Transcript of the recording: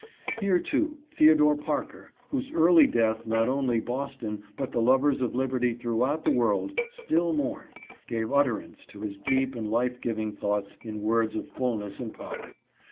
Here, too, Theodore Parker, whose early death not only Boston, but the lovers of liberty through out the world, still mourn, gave utterance to his deep and life giving thoughts in words of fullness and power.